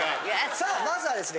さあまずはですね